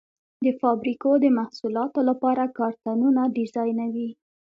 د فابریکو د محصولاتو لپاره کارتنونه ډیزاینوي.